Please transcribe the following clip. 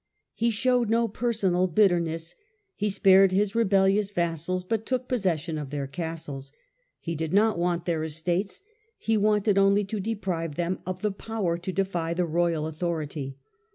He showed no personal bitterness. He spared his rebellious vassals, but took possession of their castles. He did not want their estates, he wanted only to deprive them of the power to defy the royal authority.